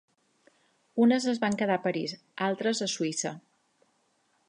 Unes es van quedar a París, altres a Suïssa.